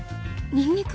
ニンニク！？